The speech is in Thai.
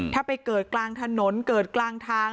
ถ้าไปเกิดกลางถนนเกิดกลางทาง